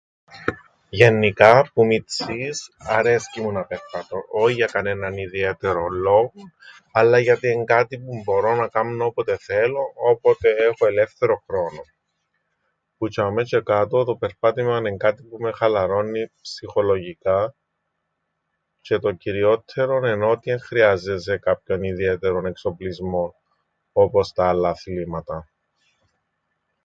Γεννικά που μιτσής αρέσκει μου να περπατώ. Όι για κανέναν ιδιαίτερον λόγον αλλά γιατί εν' κάτι που μπορώ να κάμω όποτε θέλω, όποτε έχω ελεύθερον χρόνον. Που τζ̆ειαμαί τζ̆αι κάτω το περπάτημαν εν' κάτι που με χαλαρώννει ψυχολογικά τζ̆αι το κυριόττερον εν' ότι εν χρειάζεσαι κάποιον ιδιαίτερον εξοπλισμόν όπως στα άλλα αθλήματα...